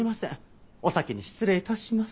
お先に失礼致します。